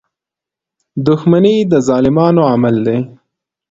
• دښمني د ظالمانو عمل دی.